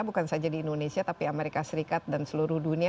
bukan saja di indonesia tapi amerika serikat dan seluruh dunia